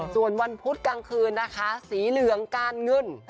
ส่วนวันพุธกลางคืนนะคะสีเหลืองการเงิน